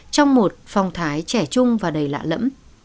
trong một phong thái trẻ trung và đầy lạ lẫm